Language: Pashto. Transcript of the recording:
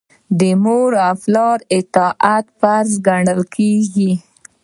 د مور او پلار اطاعت فرض ګڼل کیږي.